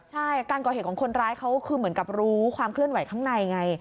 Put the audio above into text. ใช่การก่อเหตุของคนร้ายเขาคือเหมือนกับรู้ความเคลื่อนไหวข้างในไง